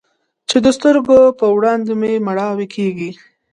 چې د سترګو په وړاندې مې مړواې کيږي.